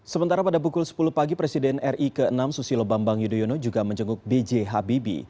sementara pada pukul sepuluh pagi presiden ri ke enam susilo bambang yudhoyono juga menjenguk b j habibi